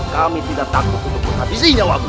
kami tidak takut untuk menghabisinya wabu